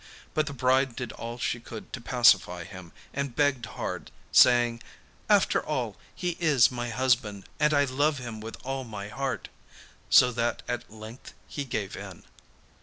But the bride did all she could to pacify him, and begged hard, saying: 'After all he is my husband, and I love him with all my heart,' so that at length he gave in.